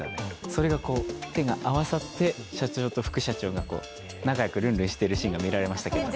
それが手が合わさって社長と副社長が仲良くルンルンしているシーンが見られましたけど。